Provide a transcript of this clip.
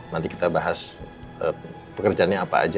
nanti kita bahas pekerjaannya apa aja